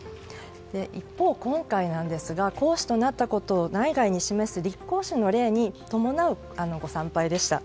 一方、今回なんですが皇嗣となったことを内外に示す立皇嗣の礼に伴うご参拝でした。